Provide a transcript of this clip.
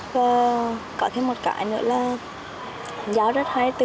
và có thêm một cái nữa là giáo rất hay tư